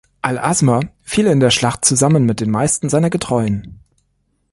Al-Azma fiel in der Schlacht zusammen mit den meisten seiner Getreuen.